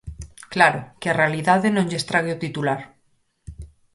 Claro, que a realidade non lle estrague o titular.